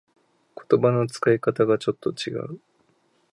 言葉の使い方がちょっと違う